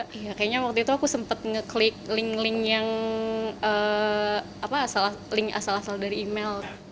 kayaknya waktu itu aku sempat ngeklik link link yang asal asal dari email